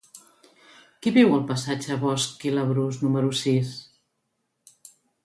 Qui viu al passatge de Bosch i Labrús número sis?